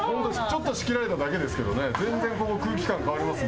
ちょっと仕切られただけですけどね。